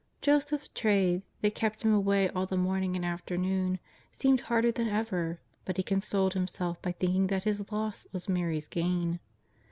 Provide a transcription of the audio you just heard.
'' Joseph's trade, that kept him away all the morning and afternoon, seemed harder than ever, but he consoled himself by thinking that his loss was Mary's gain.